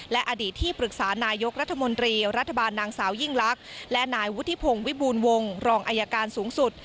และอดีตที่ปรึกษานายกรัฐมนตรีรัฐบาลนางสาวยิ่งลักษณ์และนายวุฒิพงศ์วิบูรณวงศ์รองอายการสูงสุด